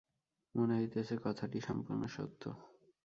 মনে হইতেছে, কথাটি সম্পূর্ণ সত্য।